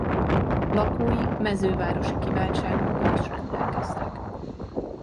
Lakói mezővárosi kiváltságokkal is rendelkeztek.